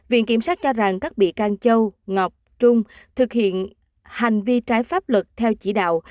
viện kiểm sát cho rằng các bị can châu ngọc trung thực hiện hành vi trái pháp luật theo chỉ đạo